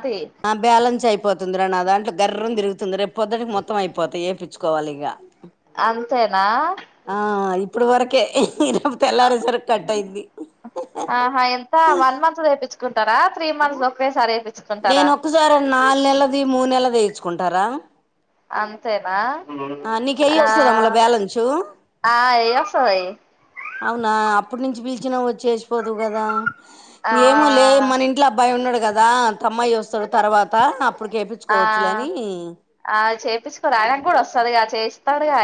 అది అ బ్యాలెన్సైపోతుందిర నా దాంట్లొ గర్రున్ దిరుగుతుంది రేప్ పొద్దున్కి మొత్తమైపోతె యేపిచ్చుకోవాలిగ అంతేనా ఆ ఇప్పుడు వరకే రేపు అ తెల్లారేసరికి కట్ అయిద్ది ఆహా ఎంతా వన్ మంత్ దేపిచ్చ్ కుంటరా త్రీ మంత్స్దొకేసారి ఏపి నేనొక్కసారి నాల్ నెల్లది మూనెల్లదేయిచ్చుకుంటార అంతేనా ఊమ్ ఎయ్యి ఆ వస్తదా మళ్ళ బ్యాలెన్సు ఆ ఏసోయ్ అవునా అప్పటి నుంచి పిలిచినా వచ్చేసిపోదువు కదా ఆ ఇంకేమో లే మన ఇంట్లో అబ్బాయి ఉన్నాడు కదా అమ్మాయి వస్తాడు తర్వాత అప్పుడు కేపంచుకోవచ్చుని తెసుకోరా ఆనికి కూడా వస్తుందిగా చేసి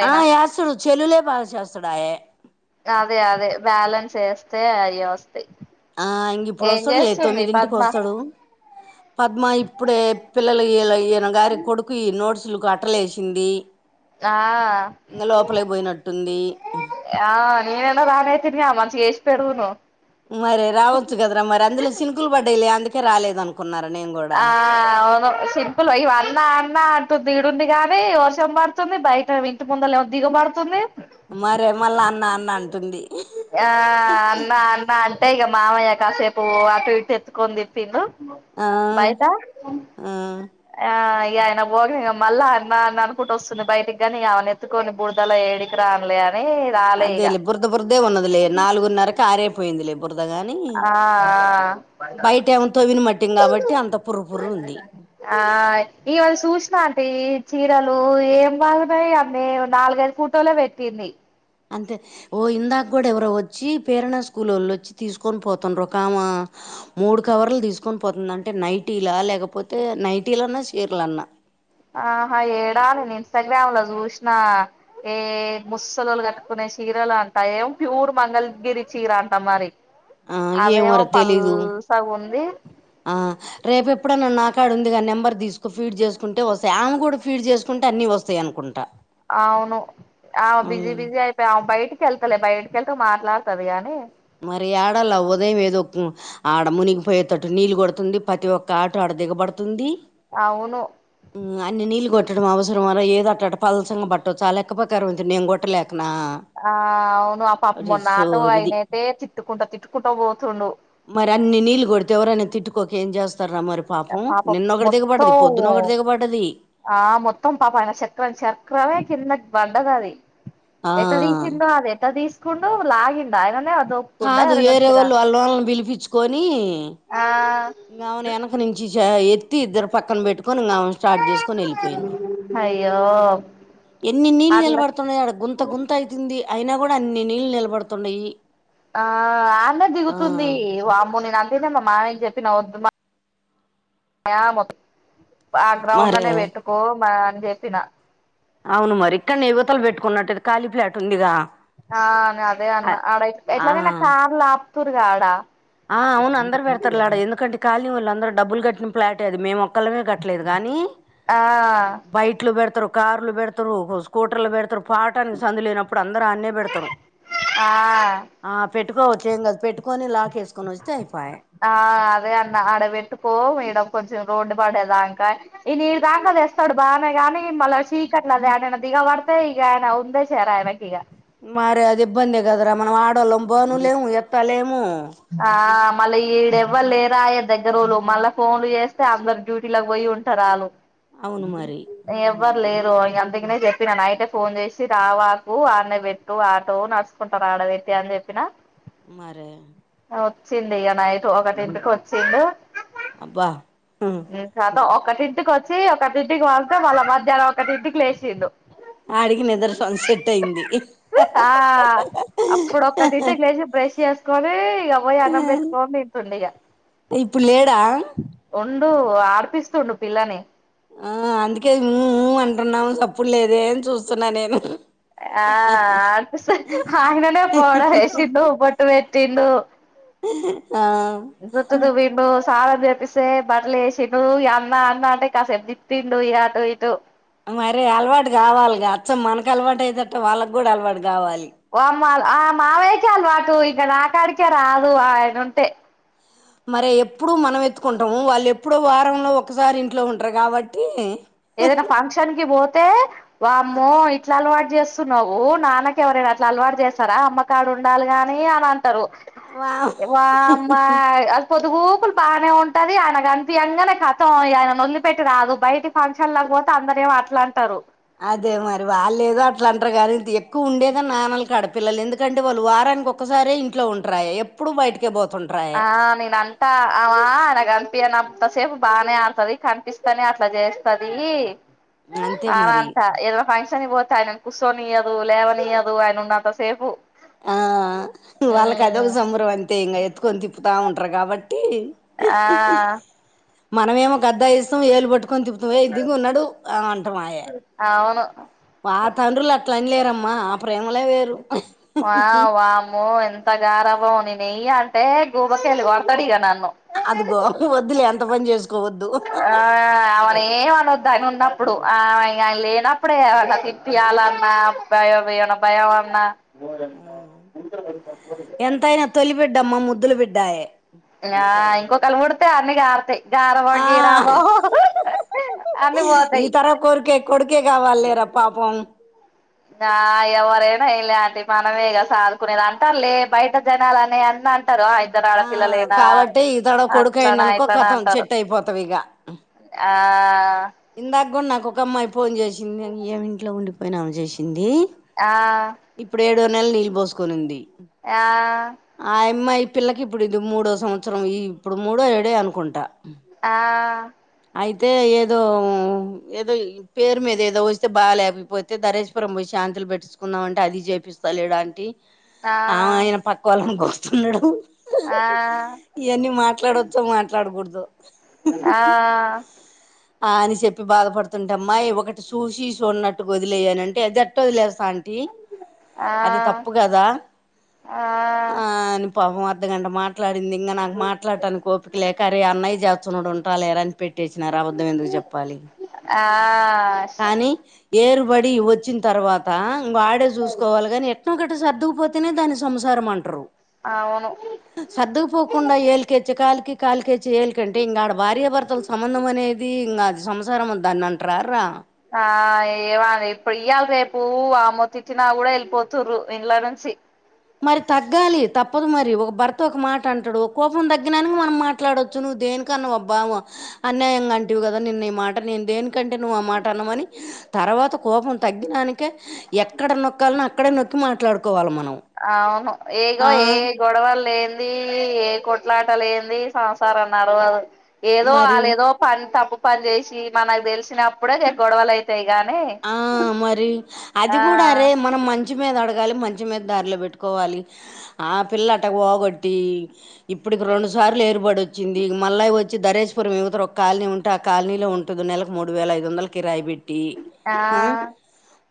ఆ చేస్తుడు చెలులే బగా చేస్తుడాయే అదే అదే బ్యాలెన్స్ వేస్తే అరి వస్త ఆ ఇంగ ఇప్పుడు వస్తాడు లేదు తొమ్మిదింటికి పద్మ వస్తాడు పద్మ ఇప్పుడే పిల్లలు ఈయన గారి కొడుకు ఈ నోట్స్ ఫుల్ బట్టలేసింది ఆ ఇంకా లోపలైపోయినట్టుంది ఆ నేనైనా రాన తినిగా మంచిగా చేసి పెడువును మరి రావచ్చు కదరా మరి అందులో షినుకులు పడ్డాయిలే అందుకే రాలేదు అనుకో ఆహ్ అవును శింకులు వోయి అన్న అన్న దీడుంది గానీ వర్షం పడుతుంది బయట ఇంటి ముందల ఏమో దిగబడుతుంది మరే మళ్ళ అన్నా అన్న అంటుంది ఆహ్ అన్నా అన్న అంటే ఇగ మామయ్య కాసేపు అటు ఇటు ఎత్కంది తిప్పిండు ఆ బయత ఆ ఆహ్ ఆయన బోగ మళ్ళా అన్న అన్న అనుకుంటూ వస్తుంది బయటికి గానీ ఇగ ఆమెన ఎత్తుకొని బురుదల ఏడికి రానలేని రాలే ఇగా ఉన్నది లే నాలుగున్నరకి ఆరేపోయింది లే పురద గాని ఆ బయట ఏమో తవిన మట్టిం ఇంగ కాబట్టి అంత పుర పురు ఉంది ఆహ్ అవ్వలా సుశీన ఆంటీ చీరలు ఏం బాగున్నాయి అన్నీ నాలుగైదు ఫోటోలే పెట్టింది అంతే ఓ ఇందాక కూడా ఎవరో వచ్చి పేరనా స్కూల్ వాళ్ళు వచ్చి తీసుకొని పోతుండ్ర ఒకకామా మూడు కవర్లు తీసుకొని పోతుంద అంటే నైటీలా లేకపోతే నైటీలన్నా సీరలున్నా ఆహా ఏడా నేను ఇన్స్టాగ్రామ్ లో చూసిన ఏ ముసలాలు కట్టుకునే చీరలు అంటా ఏం ప్యూర్ మంగళగిరి చీర అంటా మరి ఆ అదేమో పల్సగ ఉంది ఆహ్ రేపు ఎప్పుడన్నాన్న నాకాడుంది ముందుగా నెంబర్ తీసుకో ఫీడ్ చేసుకుంటే వస్తాయి ఆమె కూడా ఫీడ్ చేసుకుంటే అన్ని వస్తాయి అనుకుంటా అవును ఆమె బిజ ఉమ్. బిజ అయిపాయే అ బయట్కిళ్తలే బయ క్కలతో మాట్లాడుతది గాని మరి ఆడలా ఉదయం ఏదో ఆడ మునిగిపోయేటటు నీళ్లుు కొడుతుంది ప్రతి ఒక్క ఆట ఆడ దిగబడుతుంది అవును పట్టడం అవసరం అనా ఏదిట్టట పలసంగ బట్టదు చాలా ఎక్కు ప్రకారం అంది నేను కొట్టలేక నా ఆ అవును ఆ పాప మరి మొన్న ఆటో సోది ఆయనైతే తిట్టుకుంటా తిట్టుకుంటా పోతుండు మరి అన్ని నీళ్ళ కొడితే ఎవరనే తిట్టుకోక ఏం చేస్తారా మరి పాపం నిన్నొకటి దిగపడ్డది పొద్దున ఒకటీ దిగ పడది ఆ మొత్తం పాపం అయిన చకరం చకరమే కిన్న బండదది ఆ ఎట్ట తీసిందో అది ఎట్ట తీసుకుండు లాగింద ఆయననే దోపుకుండా కాదు ఎవరైనా వేరే వచ్చిరా వోలని వాళ్ళ వోలని పిలిపించుకొని ఇంకావున వెనక నుంచి చ తి ఇద్దరు పక్కన పెట్టుకొనిమ ఇగ ఆమె స్టార్ట్ చేసుకొని వెళ్ళిపోయినరూ అయ్యో ఎన్ని నీళ్లు అట్లా నిలబడుతున్నాయి ఆడ గుంత గుంత అవుతుంది అయినా కూడా అన్ని నీళ్లు నిలబడుతున్నాయి ఆ ఆన్నే ఆ దిగుతుంది వామ్మోని అదేద మా మామయ్యకి చెప్పి నవ్వుతుం యా మొత్త ఆ గ్రౌండ్ మరే లోనే పెట్టుకో అని చెప్పిన అవును మరి ఇక్కన్నే యువతల పెట్టుకున్నట్టు ఖాళీ ఫ్లాట్ ఉందిగా ఆ అదే ఆ అన్నా ఆడ ఆ ఎట్లనైనా కార్లు ఆపుతూరుగా ఆడా ఆ అవును అందరు పెడతారు లాడ ఎందుకంట ఖాళీ వాళ్ళు అందరు డబ్బులు కట్టిన ఫ్లాటే అది మేము కలమే కట్టలేదు కానీ ఆ బయట్ లో పెడతారు కార్లు బెడతరు స్కూటర్లు బెడతరు పాటనికి సందు లేనప్పుడు అందరు ఆన్నే పెడతారు ఆ ఆ పెట్టుకోవచ్చు ఏం కాదు పెట్టు పోని లాకేస్ ఆ అదే అన్న ఆడ పెట్టుకో ఇడ పో కొంచెం రోడ్డు పడేదాంకా ఈ నీరు దాంట్లో తెస్తాడు బాగానే కానీ మళ్ళీ చీకట్లేదలె దిగ వడతయ్ ఈగయనా ఉందే చేర ఆయనకి ఇగ మరి అది ఇబ్బంది కదరా మనం ఆడోళ్ళం బానులేము ఎత్తలేేము ఆ మళ్ళీ ఈడ ఎవ్వరు లేరాయ దగ్గరోళ్లు మళ్ళా ఫోన్లు చేస్తే అందరు డ్యూటీలకి పోయి ఉంటరు వాళ్ళు అవును మరి ఎవ్వరు లేరు అందుకనే చెప్పినా నైటే ఫోన్ చేసి రావాకు ఆడనే పెట్టు ఆటో న కుంటారు ఆడదైతే అని చెప్పినా మరి వచ్చింది ఇగ నైట్ ఒకటింటికి వచ్చిండు అబ్బా ఉ కతం ఒకటింటికి వచ్చి ఒకటింటికి వళ్తే వాళ్ళ మధ్యానం ఒకటి ఇంటికి లేచిండు ఆడికి నిద్ర సన్ సెట్ అయింది ఆ అప్పుడు ఒకక్కటింటికి లేచి బ్రష్ చేసుకొని ఇగ పోయి అన్నం పెట్టుకొని తింటుంటి ఇగ ఇప్పుడు లేడా ఉండు ఆడిపిస్తుండు పిల్లని ఆ అందుకే ఉ ఉ అంటున్నాము సప్పుడు లేదే అని చూస్తున్నా నేను ఆ అననే పోవడ వేసిండు బొట్టు పెట్ తిను ఉ ఇంత వీండో చాలా చేపిస్తే బట్టలు వేసిండు అన్న అన్న అంటే కాసెపు తిప్పిండు ఇగ అటు ఇటు మరి అలవాటు కావాలిగా అచ్చం మనకు అలవాటు అయ్యేదట్టు వాళ్ళకి కూడా అలవాటు గావాలి ఆ వామ్మో మావయ్యకి అలవాటు ఇక నాకాడికే రాదు ఆయన ఉంటే మరి ఎప్పుడు మనం ఎత్తుకుంటాము వాళ్ళు ఎప్పుడో వారంలో ఒకసారి ఇంట్లో ఉంటారు కాబట్టి ఏదైనా ఫంక్షన్ కి పోతే వామ్మో ఇట్లా అలవాటు చేస్తున్నావు నాన్నకి ఎవరైనా అట్లా అలవాటు చేస్తారా అమ్మకాడ ఉండాలి కానీ అనిం రు వా వామ్మా పొద్దుగు బానే ఉంటది ఆయనకు కనిపియంగానే కథం ఆయనను వొదిలిపెట్టి రాదు బయట ఫంక్షన్ లేకపోతే అందరు ఏమి అట్ల అంటారు ఇట్లా అంటారు గానీ ఇంత ఎక్కువ ఉండేదే నాన్నలు కాడపిల్లలు ఎందుకంటే వాళ్ళు వారానికి ఒకసారి ఇంట్లో ఉంటారు ఎప్పుడు బయట ఆ నేను అంటా ఆ నానగ పినంతసేపు బానే ఆడుతది కనిపిస్తనే అట్ల చేస్తది అంతే ఆ మరి అంతా ఏదో ఫంక్షన్కి పోతు ఆయనను కూసోనియదు లేవనియదు ఆయన ఉన్నంత సేపు ఆ వాళ్ళక్ అదొక సంబరం అంతే ఇంగ ఎత్తుకొని తిప్పుతా ఉంటర్ కాబట్ ఆ మనమేమో గద్దా ఇస్తాం ఏలు పట్టుకొని తిపుతూ ఏయ్ దిగు నడు అంటమాయే అవును మా తండ్రుల్ అట్ల అన్లేరమ్మా ఆ ప్రేమలే వేరు ఆ వామ్మో ఎంత గారాబమో నేన్ ఎయ్య అంటే గూబకెళ్ళి కొడ్తరిగ నన్ను అదిగో వద్దులే అంత పని చేసుకోవద్ ఆ ఆమన్ ఏం అనద్దు ఆయన ఉన్నప్ ప్పుడు ఆ ఇగ ఆయన లేనప్పుడే ఏమన్న తిప్పియాలన్నా భయం ఏమన్న భయం అన్నా బోర్ ఎంత [unintelligible] టమ్మా ముద్దుల్ బిడ్డాయే ఆ ఇంకొకల్ పుడ్తే అన్ని గార్తయి గారాబం ఆ గీరాబం అన్ని ఈ పోతాయి తరం కొర్కే కొడుకే కావాల్లేరా పాపం నా ఎవరైనా ఏంలే అండి మనమేగ సాదుకునేద్ అంటార్లే బయట జనాల్ అనే అన్నన్ టరు ఆ ఇద్దర్ ఆడపిల్లలేనా కాబట్టి ఈ తరం కొడుకు అట్లనా అయిండనుకో ఇట్లనా కతం అంటరు. చెట్టు అయిపోతావు ఆ ఇందాక్ కూడా నాక్ ఒక అమ్మాయి ఫోన్ చేసింది ఏం ఇంట్లో ఉండిపోయిన ఆమె చేసింది. డీ ఆ ఇప్పుడ్ ఏడో నెల నీళ్ళు పోసుకోనుంది. ఆ పిల్లకి ఇప్పుడు ఇది మూడో సంవత్సరం ఈ ఇప్పుడు మూడో ఏడే అనుకుంటా ఆ అయితే ఏదో ఏదో ఈ పేరు మీద ఏదో వస్తే బాగా లేకపోతే దరేశపురం పోయి శాంతిలు పెట్టెస్కుం న్నామంటే అది చేపిస్తలేడ్ ఆంటీ ఆ అవున్ ఆయన పక్క వాళ్ళన్ చూస్తున్నడు. ఆ ఇయన్నీ మాట్లాడొచ్చో మాట్లాడ్కూదో ఆ ఆ అని చెప్పి బాధపడుతుంటే అమ్మాయ్ ఒకటి చూసి చూడనట్టు వదిలేయనంటే అది ఎట్టు వదిలేస్ ఆంటీ అది తప్పు కదా ఆ ఆ అని పాపం గంట మాట్లాడ్ డింది ఇంగ నాకు మాట్లాట్టానిక్ ఓపిక లేక అరేయ్ అన్నయ్య [unintelligible] ఉంటాలే లేర అన్ పెట్టేసి రావద్ అబద్ధం ఎందుకు చెప్పాలి. ఆ కానీ ఏరుబడి వచ్చిన్ తర్వా త్ తా వాడే చూస్కోవాలి గనీ ఎట్నో గట్ట సర్దుకుపోతేనే దాన్ని సంసారం అంటరు. అవును సర్దుకుపోకుండా ఏలికేచ్చే కాలికి కాలికె చ్చే ఏలికి కంటే ఇంగ ఆడ భార్యాభర్తల సంబంధం అనేది ఇంగా అది సంసారం అన్ దాన్ని అంటరార్రా ఆ ఏమది ఇప్పుడ్ ఇయ్యాల్ రేపూ ఆ మొతి ఇచ్చిన కూడా ఎళ్ళిపోతుర్రు ఇంట్ల నుం చి మరి తగ్గాలి తప్పదు మరి ఒక భర్త ఒక మాట అంటడు. కోపం తగ్గినానికి మనం మాట్లాడొచ్చు నువ్ దే దేనికన్నవబ్బా అన్యాయంగా అంటివి కదా నిన్ ఈ మాట నేన్ దేనికంటే నువ్వు ఆ మాట అన్నవని తర్వాత కోపం తగ్గినానికే ఎక్కడ నొక్కాల్నో అక్కడే నొక్కి మాట్లాడుకోవాలి మనం అవును ఏగో ఆ, ఏ గొడవల్ లే దీ ఏ కొట్లాట లేంది సంసారం నడవదు. ఏదో మరి వాళ్లేదో పన్ తప్పు పని చేసి మనక్ తెలిసినప్పుడే గొడవల్ అయితయి. ఆ మరి అది ఆ గుడ అరే మనం మంచి మీద అడగాలి మం చి మీద దారిలో పెట్టుకోవాలి. ఆ పిల్లట పోగొట్టి ఇప్పటికి రెండు సార్లు ఏర్పడచ్ చింది ఇగ మల్లై వచ్ వచ్చి ధరేష్ పురం ఇవతల ఒక కాలనీ ఉంటే ఆ కాలనీలో ఉంటది నెలకు మూడు వేల ఐదు వందలు కిరాయి పెట్టీ ఆ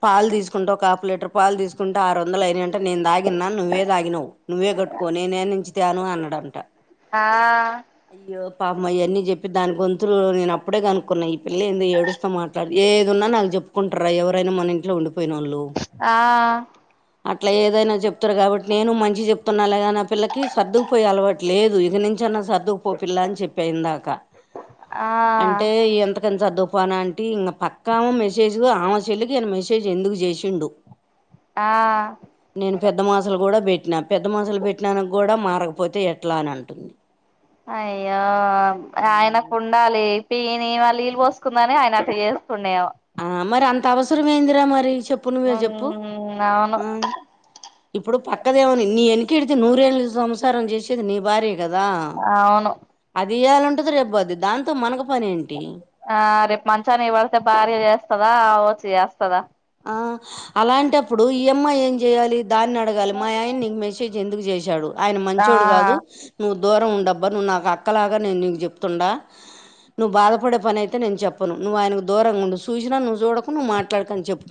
పాలు తీసుకుంటే ఒక ఆపు లీటర్ పాలు తీసుకుంటే ఆరు వందలు అయినంట నేను దాగిన్నా నువ్వే దాగినవు నువ్వే కట్టుకోని నేనుంచి తాను అన్నాడంట ఆ పాపమయన్నీ చెప్పి దాని గొంతులు నేను అప్పుడే కనుక్కున్నా ఈ పిల్ల ఏందో ఏడుస్త మాట్లాడు ఏది ఉన్నా నాకు కుంటారా ఎవరైనా మన ఇంట్లో ఉండిపోయినోళ్ళు ఆ అట్లా ఏదైనా చెప్తారు కాబట్టి నేను మంచి చెప్తున్నా లేగా నా పిల్లకి సర్దుకుపోయే అలవాటు లేదు ఇక నుంచి అన్న సర్దుకుపో పిల్లా అని చెప్పా ఇందాక ఆ అంటే ఎంత సార్ తుఫాన్ అంటి ఇంక పక్కా మెసేజ్ ఆమె సెల్లికి మెసేజ్ ఎందుకు జేసిండు ఆ నేను పెద్ద మాసలు కూడా బెట్ పెట్టినా పెద్ద మంసలు పెట్టినాక కూడా మారకపోతే ఎట్లా అని అంటుంది అయ్యో ఆయనకు ఉండాలి తి ఈయన వాళ్ళు నీళ్లు పోసుకుందని ఆయన అట్ట చేసుకుండేవా ఆ మరి అంత అవసరం ఏందిరా మరి చెప్పు నువ్వే చెప్పు ఉమ్ అవును ఆ ఇప్పుడు పక్క అక్కదేమని నీ వెనకెడితే నూరేళ్ళ సంసారం చేసేది నీ భార్య కదా అవును అది ఇయ్యాల ఉంటది రెబ్బోద్ది దాంతో మనకు పని ఏంటి ఆ రేపు మంచాన్ని వడితే భార్య చేస్తదా ఆ వచ్చి చేస్తదా ఆ అలాంటప్పుడు ఈ అమ్మ ఏం జేయ్యలి దాన్ని అడగాలి మా ఆయన నీకు మెసేజ్ ఎందు చేసాడు ఆయన ఆ మంచోడు కాదు నువ్వు దూరం ఉండబ్బా నువ్వు నాకు అక్కలాగా నేను నీకు జెప్తుండ నువ్వు బాధపడే పని అయితే నేను జెప్పను నువ్వు ఆయన దూరంగా ఉండు సూచిన నువ్వు చూడకు నువ్వు మాట్లాడుకని చెప్పు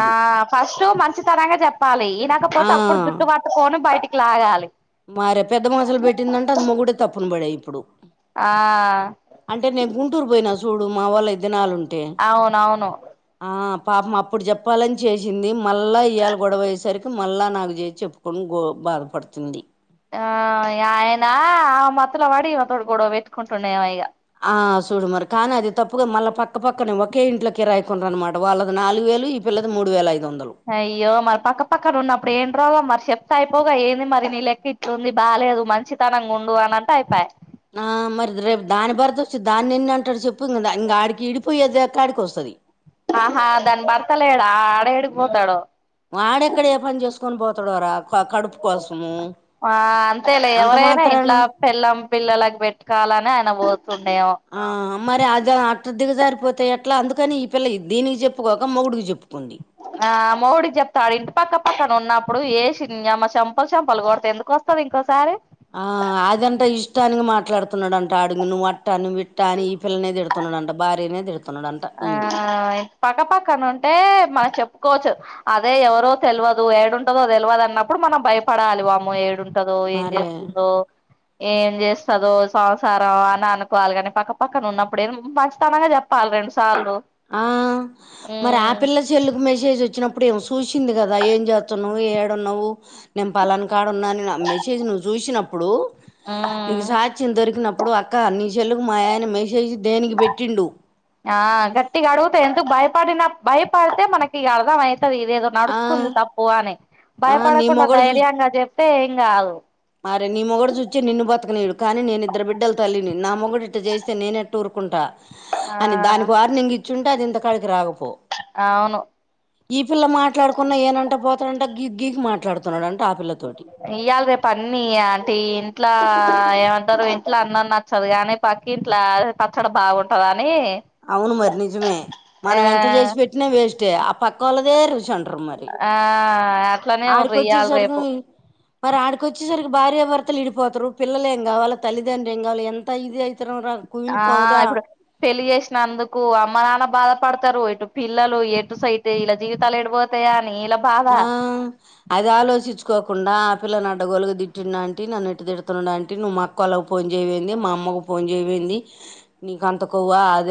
ఆ ఫస్ట్ మంచి తనంగా చెప్పాలి ఆ ఈనకపోతే అప్పుడు జుట్టు పట్టుకోని బయటికి లాగాలి మారే పెద్ద మంసలు పెట్టిందంట అది మొగుడే తప్పున పడయి ఇప్పుడు ఆ అంటే నేను గుంటూరు పోయినా చూడు మా వాల్లు ఐదు దినాలు ఉం అవునవును పాపం అప్పుడు చెప్పాలని చేసింది. మళ్ళా ఇయ్యాల గొడవ అయ్యేసరికి మళ్ళా నాకు చేసి చెప్పుకుని గో బాధపడుతుంది ఆ ఆయన ఆ మత్తులో పడి మా తోడు గొడవ పెట్టుకుంటుండేగ ఆ చూడు మరి కానీ అది తప్పుగా మళ్ళా పక్క పక్కనే ఒకే ఇంట్లోకి రాయికుండ అనమాట వాళ్ళది నాలుగు వే ఈల్లు ఈ పిల్లది మూడు వేలయిది అయ్యో మరి పక్క పక్క ఉన్నప్పుడు ఏం మరి చెప్తే అయిపోగా ఏంది మరి నీ లెక్క ఇట్టుంది బాలేదు మంచితనంగా ఉండు అని అంటే అయిపాయ్ ఆ మరి రేపు దాని భర్త వచ్చి దాన్ని ఎన్ని అంటాడు చెప్పు ఇం ఇంగ ఆడికి ఇడిపోయేది కాడికి వస్తది ఆహా దాని భర్త లేడా ఆడ హడికి పోతాడు వాడెక్కడ ఏ పని చేసుకొని పోతాడోరా కడుపు కోసం ఆ అంతేలే ఎవరైనా ఇంట్లా పెళ్లం పిల్లలకి పెట్టుకోవాలని ఆయన పోతుం ఆ మరి అది అట్ దిగజారిపోతా ఎట్లా అందు కానీ ఈ పిల్ల దీనికి చెప్పుకోక మొగుడికి చెప్పు ఆ మొగుడికి చెప్తాడు ఇంటి పక్క అతను ఉన్నప్పుడు వసిమ్మ చెంపలు చంపలు కొడితే ఎందుకు వస్తంది ఇంకోసారి ఆ అదంటే ఇష్టానికి మాట్లాడుతున్నాడంట అడుగు నువ్వు వట్టా నువ్వు విట్టాఅని ఫిల్నేదిడుతున్నాంట భార్యనే ది ఆ పక్కపక్కన ఉంటే మా చెప్ కోవచ్చు అదే ఎవరో తెలియదు ఏడుంటదో తెల్వదు అన్నప్పుడు మనం భయపడాలి బాబ మో ఏడుంటదో ఏం మరే చేస్తుందో ఏం చేస్తదో సంసారం అని అనుకోవాలి కాని పక్కపక్కన ఉన్నప్పుడు ఎందుకు మంచితనంగా చెప్పాలి రెండుసార్లు ఆ మరి ఆ ఉమ్ పిల్ల సెల్లుకు మెసేజ్ వచ్చినప్పుడు ఇప్పుడుేం చూసింది కదా ఏం చేస్తున్నావు ఏడు ఉన్నావు నేను పాలనా కాడు ఉన్నాని మెసేజ్ నువ్వు చూసినప్పుడు నీకు ఉమ్ సాక్ష్యం దొరికినప్పుడు అక్క నీ సెల్లుకు మా ఆయన మెసేజ్ దేనికి పెట్టిండు ఆ గట్టిగా అడుగుతే ఎందుకు భయపడిన భయపడితే మనకి అర్ధం అయి ఇదేదో ఆ నడుస్తుంది తప్పు అని ఆ నీ భయపడకుండా ధైర్యంగా చెప్తే ఏం కాదు మరే నీ మొగడు చూచ్చిే నిన్ను బతకనిడు కానీ నేను ఇద్ద్ర బిడ్డల తల్లి నా మొ్డు చేస్తే నేనేూఊరుకుంటా ఆ అని దానికి వార్నింగ్ ఇచ్చిుంటే అది ఇంత కాడికి రాకపో అవును ఈ పిల్ల మాట్లాడుకున్నా ఏనంటే పోతాడంటే గీ గీగి మాట్లాడుతున్నాడుంటే ఆ పిల్లతోటి పన్న ఆంటీ ఇంట్లో ఏమంటారు ఇంట్లో అన్నం నచ్చదు కానీ పక్కింట్ల పచ్చడి బావుంటది అ అవును మరి నిజమే ఆ మనం ఎంత చేసి పెట్టినా వేస్టే ఆ పక్క వాళ్లదే రుచి అంటారు మరి ఆ అట్లనే ఆడికి ఉండ్రి ఇయ్యాల వచ్చేసరికి రేపు మరి ఆడికొచ్చి వచ్చేసరికి భార్యాభర్తలు విడిపోతారు పిల్లలు ఏ కావాలిల్లిదండ్ర ఏం కావాలి ఎంత ఇది అతే ఆ ఇప్పుడు పెళ్లిి చేసినందుకు అమ్మ నాన్న బాధ పడతారు ఇటు పిల్లలు ఎటు సైతే ఇలా జీవితాలు ఎటుపోతాయో ఆ అది ఆలోచిించుకో కూన ఆ పిల్లని అడ్డగోళీగా తిట్టిండా ఆంటీ నన్ను ఎట్లా తిడుతున్న అంటి నువ్వు మా అక్కోళ్ళకి ఫోన్ చేయవేంది మా అమ్మ ఫోన్ చేయయింది నీక అంత కోవా అదే